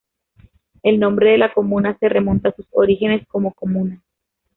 El nombre de la comuna se remonta a sus orígenes como comuna.